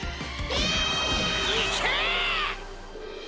いけ！